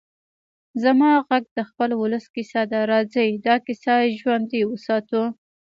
زما غږ د خپل ولس کيسه ده؛ راځئ دا کيسه ژوندۍ وساتو.